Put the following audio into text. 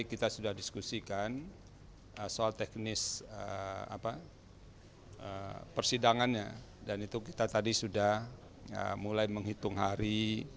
kita sudah diskusikan soal teknis persidangannya dan itu kita tadi sudah mulai menghitung hari